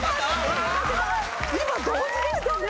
今同時でしたね。